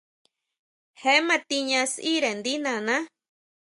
Je ma tiña sʼíre ndí nana.